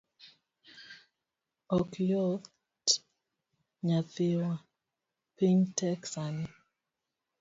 Ok oyot nyathiwa, piny tek sani.